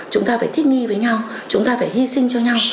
chúng ta phải thích nghi với nhau chúng ta phải hy sinh cho nhau